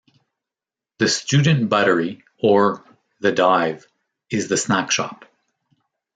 The student buttery, or "The Dive", is the snack shop.